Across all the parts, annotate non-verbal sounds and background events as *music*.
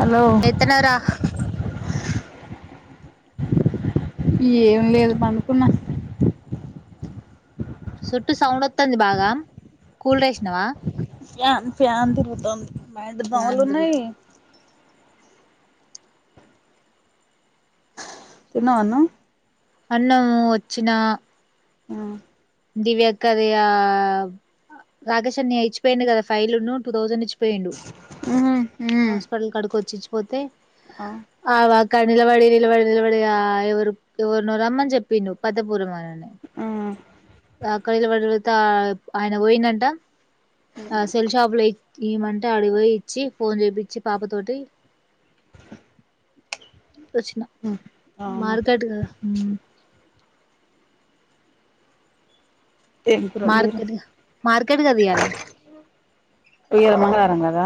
Hello ఎత్తనార ఏం లేదు పనుకున్నా చుట్ూ సౌండ్ వతుంది బాగా కూల్ రేసినవా ఫ్యాన్ ఫ్యాన్ తిరుగుతంది బట బా వలు ఫ్యాన్ తిరుగు ఉన్నాయి త నాన్న అన్నం వచ్చిన ఆ దివ్యాకారయా రాకేశష్ అని ఇచ్చిపోయిడు కదా ఫైల్ను టూ థౌజండ్ ఇచ్చిపోయిండు హాస్పిటల్ కడుకి వచ్చిచ్చిపోతే ఆ కని నిలబడి నిలబడి నిలబడి ఎవరు ఎవరున రమ్మని చెప్పి నువ్వు పతపూరంనని ఆ కడల పడత ఆయన పోయిందంట ఆ సెల్ షాప్ లో ఇ ఇమంటే అడిపోయి ఇచ్చి ఫోన్ చేపిచ్చి పాప తోటి వచ్చిన అవునా మార్గాట్గా ఏం గుర లేరు మార్కెట్ మార్కెట్ కదా ఇయ్యాల ఈయల్ మంగళవారం కదా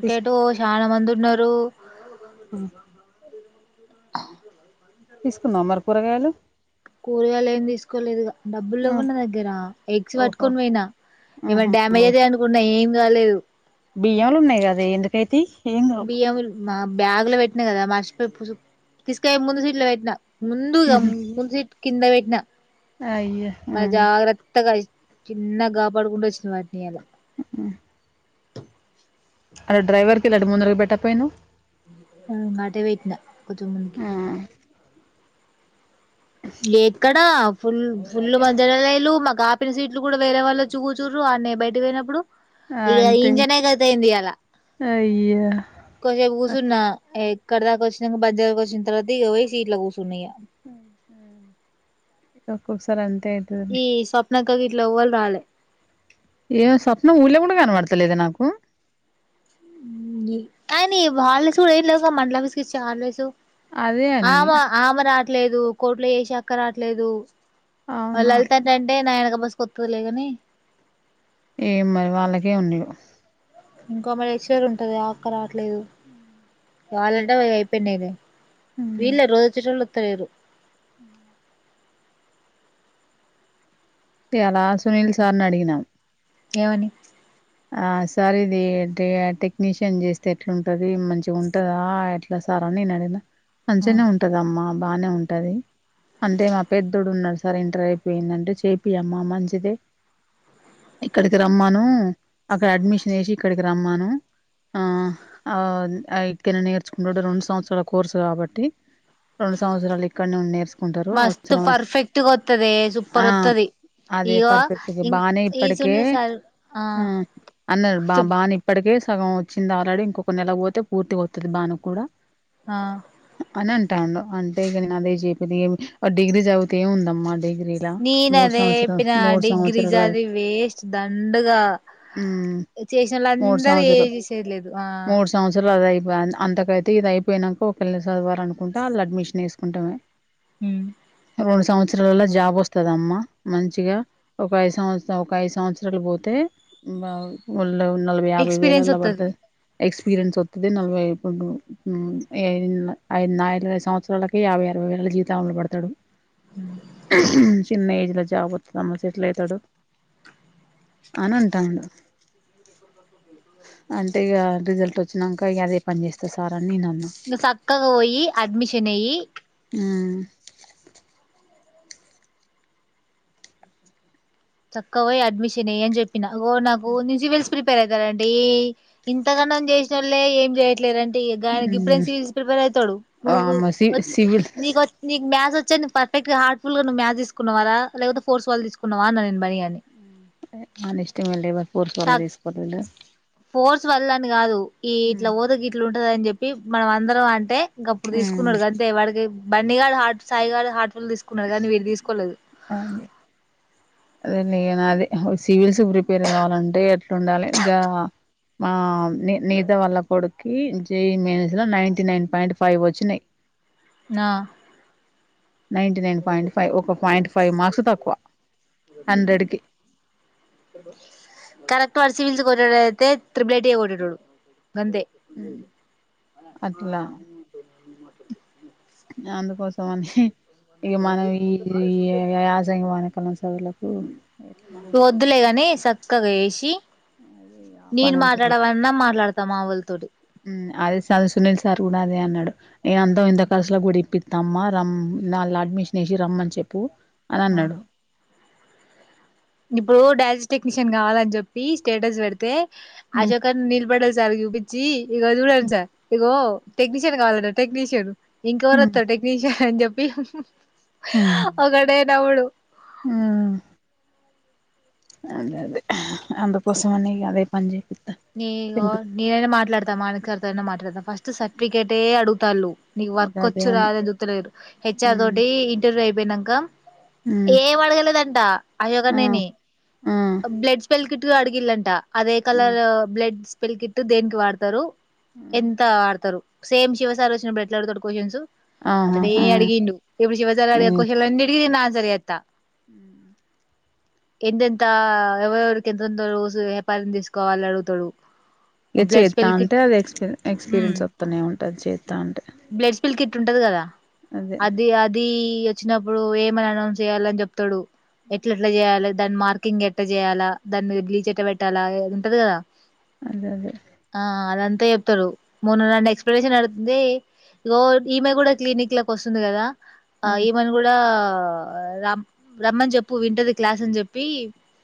తీసు చాలా మంది ఉన్నారు ఆ తీసుకున్నావ్ మరి కూరగాయలు కూరగాయలు ఏమి తీసుకోలేదుగా డబ్బులు ఇవ్వన్నా దగ్గర ఎగ్స్ ఓహో పట్టుకొని పోయినా ఆహా ఏమైనా డ్యామేజ్ అదే అనుకున్నా ఏం దలేదు బియ్యలు ఉన్నాయి కదా ఎందుకైతే బియ్యం మా బ్యాగ్ లో పెట్టినా కదా మర్చిపో తీసుకయ ముందు సీట్ లో పెట్టినా ముందుగా ముందుస కింద పెట్టిన అయ్యో మరి జాగ్రత్తగా ఇ చిన్నగా కాపాడుకుంట వచ్చిన వాటిని ఎలా ఆ అ డ్రైవర్ ఇలాంటి ముందురకు పెట్టకపోయిను అటే పెట్టినా కొంచెం ముందుకి ఎక్కడా ఫుల్ ఫుల్ మా జడలు మా కాపిన సీట్లు కూడా వేరే వాళ్ళ వచ్చి కూచురు ఆన్న బయకి పోయినప్పుడు ఈగ అంతే ఇంజిన్ ఏ గతైంది ఈయాల అయ్యా కాసేపు కూర్చున్న ఎగ్ కడదాకా వచ్చినాక బజ వచ్చిన తర్వా ఇక పోయి సీట్ల కూర్చన్నాయా అ *unintelligible* సరా అంత ఈ స్వప్నక్క గిట్ల ఎవరు రాలే ఏమో స్వప్నం ఊళ కూడా కనబడతలేద నాకు అ నీ వ *unintelligible* అదే అని ఆమ ఆమ రాట్లేదు కోట్లో చేసే అక్క రాట్లేదు అవునా లలిత అంటి అంటే నాయనక బస్ కొత్తదిలే ని ఏం మరి వాళ్ళకే ఉండవు ఇంకా మరి ఎక్స్ర్ ఉంటది అక్క రావట్లేదు కావాలంటే అవి అయిపోయినాయిద వీళ్ళ రోజుచట్లుత్తలేరు హ లలా సునీల్ సార్ నీ అడిగినా ఏమని ఆ సార్ ఇది టెక్నీషియన్ చేస్తే ఎట్లాంటది మంచిగా ఉంటందా ఎట్లా సార్ నేను అడిగిన మంచిగానే ఉంటదమ్మా బాగానే ఉంటది అంటే మా పెద్దడు ఉన్నారు సార్ ఇంటర్ అయిపోయిందంటే చేపి అమ్మా మంచిదే ఇక్కడికి రమ్మాను అక్కడ అడ్మిషన్ వేసి ఇక్కడికి రమ్మాను ఆ ఆ ఇక్కన నేర్చుకుంటడు రెండు సంవత్సరాల కోర్సు కాబట్టి రెండు సంవత్సరాలు ఇక్కడనే ఉండే మస్త్ పర్ఫెక్ట్ గా వస్తదే ఆ సూపర్ వతది అదే పర్ఫెక్ట్ బానే ఇప్పటికె సార్ ఆ అన్నారు బా చెప్ బానే ఇప్పటికే సగం వచ్చింది ఆల్రెడీ ఇంకొక నెల పోతే పూర్తిగా అవుతుంది బాను కూడా ఆ అని అంటే ఇనీ అదే చెప్పేది డిగ్రీ చదివితే ఏముందమ్మా డిగ్రీ నేన అదేప్పిన డిగ్రీజ సంవత్సరాల అది వేస్ట్ దండగా ఉమ్ చేసిన వాళ్ళు మూడు అందర ఏ చేసేదిలేదు ఆ అ అదయి అంతకైతే ఇది అయిపోయినాక ఒక పళ్ళ చదవాలనుకుంటే వాళ్ళ అడ్మిషన్ వేసుకుంటామే హ రెండు సంవత్సరాలలో జాబ్ వస్తద అమ్మ మంచిగా ఒక ఐదు సంవత్సరం ఒక ఐదు సంవత్సరాలు పోతే నలభై యాభై ఎక్స్పీరియన్స్ వేలలా వత్తది పడుతుది ఎక్స్పీరియన్స్ వస్తుంది నలభైడుఐదు న సంవత్సరాలకి యాభై ఆర ళ్ళ జీవిత ఆంలో పడతాడు చిన్న ఏజ్ లో జాబ్ వతుంది అమ్మా సెటిల్ అయితాడు అని ఉంటాడు అంటే ఇక రిజల్ట్ వచ్చినాక ఇక అదే పని చేస్తా సార్ అ సక్కగా పోయి అడ్మిషన్ అ్యి ఆ సక్కకపోయి అడ్మిషన్ ఎయ్యి అని చెప్పిన నాకునువెస్ ప్ర పెరుతారండి ఇంతకన్నాం చేసిన వాళ్ళలే ఏం చేయట్లేదుండి ఇప్పుడే సవీల్స్ ప్రిపేర్ అవుతాడు నువ్వు ఆమె సి సివిల్ నీకు నీ మ్యాథ్స్ వచ్చ ే్ పర్ఫెక్ట్గా హార్ట్ఫుల్ గావ్ మ్యా తీసుకున్నవవాా లేకపో ఫోర్స్ వాళ్ళ తీసుకున్నావా అన్న నేను బన్ని గాని న ఇష్టమే ఎవరి ఫోర్స్ వల్ల తీసుకోలేదు వల్లని కాదు ఈ ఇట్లా ఊదగి ఇట్లు ఉంటద అని చెప్పి మనం అందరం అంటే ఇంక అప్పుడు మ్మ్ తీసుకున్నాడు అంతే వాడికి బన్నీ గాడు గ హాట్ సాయి గ హట్ తీసుకున్నారు కానీ వీరు తీసుకోలేదు అదే నను అదది సివిల్స్ ప్రిపేర్ కావాలంటే ఎట్లా ఉండాలి ఇంకా మా ని నీద వల్ల కొడుకి జేయి మేైనస్ లో నైన్టీ నైన్ పాయింట్ ఫైవ్ వచ్చినాయి ఆ నైీ నైన్ పాయింట్ ఫైవ్ ఒక పాయింట్ ఫైవ్ మార్క్స్ తక్కువ హండ్రెడ్ కి కరెక్ట్ వాడు సివిల్స్ కొట్ట అయితే త్రిబలటీయ కొట్టేటడు అట్లా మా అందుకోసం అని ఇక మనం ఈ యాసంగ వాణక చదువులకు ఎట్లుంటది వద్దులేగానీ చక్కగా వేసి అదే ఇగ ఆ నేను పనే చేయ మాట్లాడవన్నా మాట్లాడతామా మా వాళతో అదే సార్ సునీల్ సార్ కూడా అదే అన్నాడు నేను అందాం ఇంత కర్సులో కూడాడి ఇప్పిస్తమ్మ ర న అడ్మిషన్ వేసి రమ్మని చెప్పు అని అన్నాడు ఇప్పుడు డయాజ టెక్నీషియన్ కావాలని చెప్పి స్టేటస్ పెడితే హ్మ్. అశోకర్ నిీళ పడల్ సార్ చూపించి ఇగ చూడండి సార్ ఇగో టెక్నీషియన్ కావాలంట టెక్నీషియన్ హ్మ్. ఇంకవరుొస్త టెక్నీషియన్ అని చెప్పి ఒకడే నవుడు ఆ అదే అదే అందుకోసం అనే అదే పనించిి నీగో నేనైనా మాట్లాడతా మామి సర్తోయినా మాట్లాడతా ఫస్ట్ సర్టిఫికేటే అడుగుతాు నీకు అదే వర్క్ అదే వచ్చు అని రాదందు తెలేదు హెచ్ఆర్ హ్మ్. తోటి ఇంటర్వ్యూ అయిపోయినాక హ్మ్. ఏం అడగలేదంట ఆ! అయోగానేేని ఆ! బ్లడ్ స్పెల్ క అడుగలంటా అదే కాల ఆ! బ్లడ్ స్పెల్ కిట్టు దేనికి వాడతారు ఎంత వాడతారు సేమ్ శివ సార్ వచ్చినప్పుడు ఎట్లా అడుగుతాడు క్వ్చన్స్ ఆ! ఆహా! అట్లనే ఆ! అడిగిండు ఎప్పుడు శివ సార్ అడిగిన క్వశ్చన్ అన్నిటికి ఆన్సర్ చేత్త ఉ ఎంతెంత ఎవరెవరికి ఎంతంత హెపారం తీసుకోవాలి అడుగుతాడు ఇక బ్లడ్ చేద్దా స్పెల్ అంటే కిట్ అది ఎక్స్పీ ఉమ్ ఎక్స్పీరియన్స్ వస్తనే ఉంటుది చేస్తా అంటే ంటది కదా అదే. అది అది వచ్చినప్పుడు ఏమని అనౌన్స్ చేయాల అని చెప్తాడు ఎట్ల ఎట్లా చేయాలి దాని మార్కింగ్ ఎట్లా చేయాలా దాన్ని బ్లీచ్ ఎట్ట పెట్టాలా ఉంటది కదా అదే అదే. ఆ అదంతా చెప్తారు మొన్న నన్ను ఎక్స్ప్లెనేషన్ అడుతుంది ఇగో ఈమె కూడా క్లినిక్ లోకి వస్తుంది కదా ఆ హ్మ్. ఈమన్ కూడా రమ్ రమ్మన్ చెప్పు వింటది క్లాస్ అని చెప్పి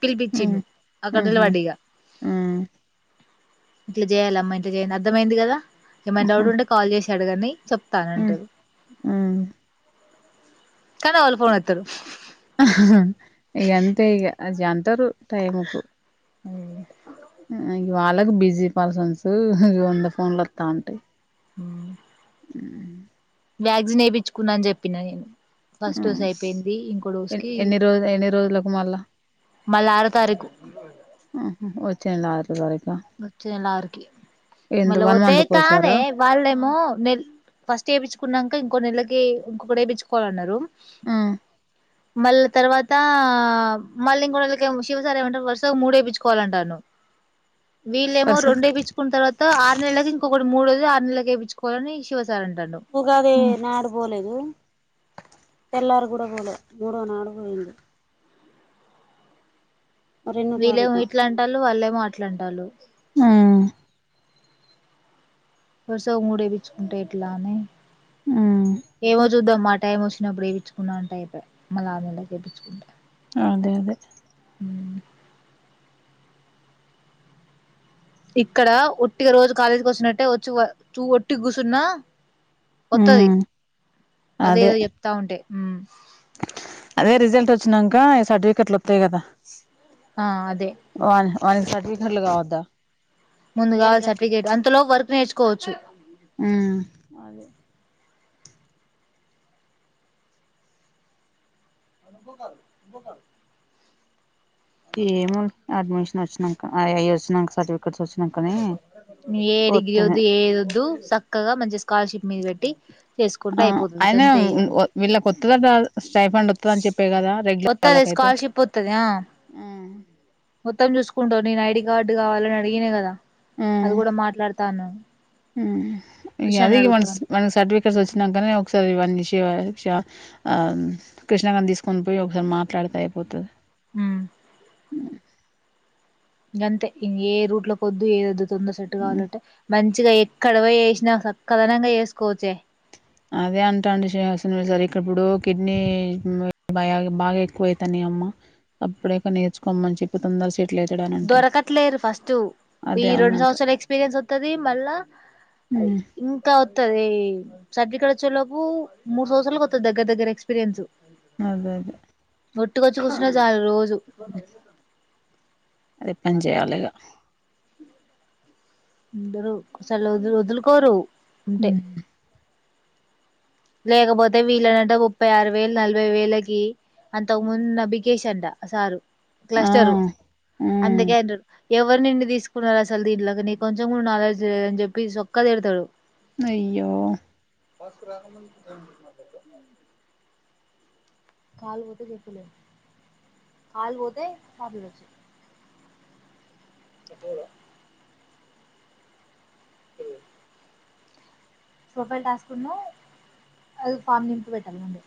పిలిపచ్చిను అక్కడ నిలబడేగా ఆ ఇట్లా చేయాలమ్మా ఇంట్లా చేయండి అర్థమైంది కదా ఏమైనా డౌట్ హ్మ్. ఉంటే కాల్ చేసి అడగండి హ్మ్. చెప్తానంటారు హ్మ్. కానీ వాళ్ళు ఫోన్ ఎస్తారు ఇక ఎంతే ఇక అ జంటారు టైమ్కు అవు ఇ వాళ్ళకి బిజీ పర్సన్స్ ఇ వంద ఫోన్లు వస్తా అంటాయి ఉ ఆ వ్యాక్సిన్ వేయిించుకున్నా అని చెప్పిన నేను ఆ! ఫస్ట్ డోస్ అయిపోయింది ఇంకో డోస్ ఎన్ కి ఎన్ని రోజు ఎన్ని రోజులకు మళ్ళా మళ్ళీ ఆర తారీకు చె వచ్చి ఎలారికి ఎంత మళ్ళీ వన్ పోతే మంత్ కాదే కోసారా వాళ్ళేమో న ఫస్ట్ చేయిచ్చుకున్నాం ఇంకా ఇంకో నెలకి ఇంకొకేయిించుకోవాలన్నారు ఆ మళ్ళీ తర్వాత మళ్ళీ ఇంకోడకి శివసార ఏమంటారు వరుసగా మూడ వేయిించుకోవాలంటాను వీళ్ళేమో వరుస రెండేయిించుకున్న తవాతరు నెలకి ఇంక మూడుోజు ఆరు నెలేయిించుకోవాలనిివ ఉగాదే నాడు పోలేదు తెల్లారు కూడా పోలే మూడో నాడు పోయింది రెండో వీళ్లేేమో తారీఖు ఇట్లా అంటారు వాళ్ళేమో అట్లా అంటారు ఆ వరుస మూడేయిచ్చుకుంటే ఎట్లా అని ఏమో చూద్దాం మాట టైం వచ్చినప్పుడు వేయిించుకున్నా అంట అయిపోయి మళ్ళీ ఆమెళీ చేయిించుకుంటే అదే అదే ఉ ఇక్కడ ఒట్టిగా రోజు కాలేజీకి వస్తుినట్టే వచ్చి చూ ఒట్టి కూర్చున్నా వత్తది ఉమ్ అదే అదేదో చెప్తా ఉంటే ఉ అదే రిజల్ట్ వచ్చినాక సర్టిఫికెట్లు వతాయి కదా ఆ అదే అదే పద్దరలుగాద్ద ముందు కావాలి సర్టిఫికేట్ అంతలో వర్క్ నేర్చుకోవచ్చు ఆ అే నుబకాదు నుబకాడు ఏము అడ్మిషన్ వచ్చినాక అయ వచ్చినాక సర్టిఫికెట్స్ వచ్చినాకనే ఏ వత్తది డిగ్రీద్దు ఏదు సక్క చక్కగా మంచి స్కాలర్షిప్ మీద పెట్టి చేసుకుంటూ అయిపోతుందికంత ఇట్ స్టైఫండ్ వస్తుంద అని చెప్పే కదా రెగ్యులర్ వత్తది వాళ్ళకైతే స్కాలర్షిప్ వత్తది ఆ మొత్తం చూసుకుంటావు నేను ఐడి కార్డు కావాలని అడిగిన కదా అది కూడా మాట్లాడుతాన్నాను ఇ అది మన అడుగుతాను మనకి సర్టిఫికేట్స్ వచ్చినాకనీ ఒకసారి ఇవన్నష క్ష ఆ కృష్ణా గని తీసుకొని పోయి ఒకసారి మాట్లాడుత అయిపోతుంది అ ఇకంతే ఇం ఏ రూట్ లో కొ వద్దు ఏ వ తొంద సెట్టు కావాలంటే మంచి మంచిగా ఎక్కడ పో చేసినా సక్కదనంగా చేసుకోవచ్చే అదే అంటాండి శ్రసం సార్ ఇక్కడప్పుడు కిడ్నీ బా బాగా ఎక్కువవుతాని అప్పుడేక నేర్చుకోమని చెప్ప తందర సెట్ల్ అయి దొరకట్లేరు ఫస్ట్ ఈ అదే రెండు అవునంట సంవత్సరాలు ఎక్స్పీరియన్స్ వతుది మళ్ళా ఉమ్, ఇంకా వతుద సర్టిఫికెట్ వచ్చే లోపు మూడు సంవత్సాల వస్తుంది దగ్గర దగ్గర ఎక్స్పీరియన్స్ అదే అదే ఒట్టుకొచ్చి కూచు చాలు రోజు అది పని చేయాలిగా ఉమ్ ఇందరుసలు వ వదులుకోరు ఆ ఉంటే లేకపోతే వీలనంట ముప్పై ఆరు వేలు నలభై వేలకి అంతకు ముందు నబికేసింట సారు ఆ, క్లస్టరు ఉమ్, అందుకేంట ఎవరినిండి తీసుకున్నారు అసలు దీంట్లో నీ కొంచెం కూడా నలోచ చేయ అని చెప్పి సక్కా తేడతాడు అయ్యో ఫస్కు రాకమ మా కాల పోతే చే ఫలే కాల పోతే కా పలేచ్చ అ పోరా సోపాల్ టాస్క్ ఉన్నా అది ఫామ్ నింపు పెట్టాలండి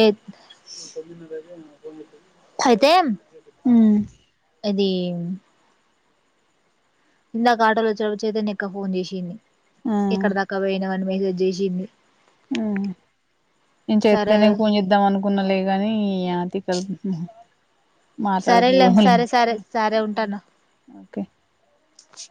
ఎ అయితే ఉమ్, ఇది ఇందాక ఆటోలో వచ్చిన చైతన్ ఎక్క ఫోన్ చేసింది ఆ, ఎక్కడ దక్క పోయినావని మెసేజ్ చేసింది ఇ చైద్ద సరే పన్ చేద్దాం అనుకున్నాలే గాని ఆతికల్ ఆ సరేలేం సరే సరే సరే ఉమ్, ఉంటాను ఓకే క స